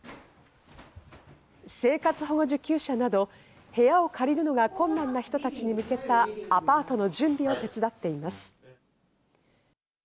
生活保護受給者など、部屋を借りるのが困難な人たちに向けたアパートの準備を手伝っています。